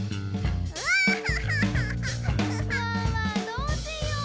どうしよう？